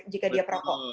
jika dia berokok